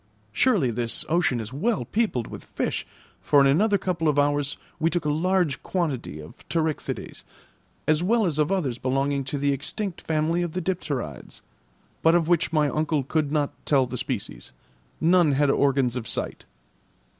Surely this ocean is well peopled with fish, for in another couple of hours we took a large quantity of pterichthydes, as well as of others belonging to the extinct family of the dipterides, but of which my uncle could not tell the species; none had organs of sight.